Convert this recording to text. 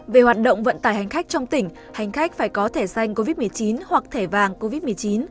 về hoạt động vận tải hành khách trong tỉnh hành khách phải có thẻ xanh covid một mươi chín hoặc thẻ vàng covid một mươi chín